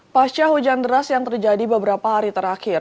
pasca hujan deras yang terjadi beberapa hari terakhir